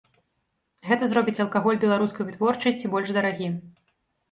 Гэта зробіць алкаголь беларускай вытворчасці больш дарагім.